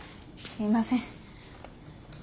すいません。